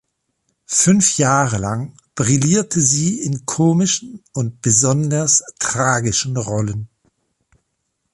Fünf Jahre lang brillierte sie in komischen und besonders tragischen Rollen.